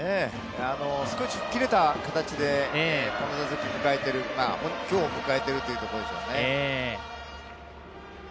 少し吹っ切れた形でこの打席を迎えている、今日を迎えているというところでしょうね。